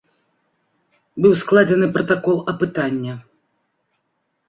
Быў складзены пратакол апытання.